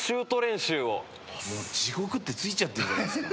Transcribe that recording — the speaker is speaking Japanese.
もう「地獄」って付いちゃってんじゃないっすか。